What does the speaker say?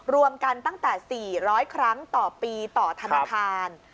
รวมกันตั้งแต่๔๐๐ครั้งต่อปีต่อธนาคาร